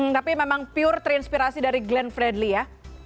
tapi memang pure terinspirasi dari glenn fredly ya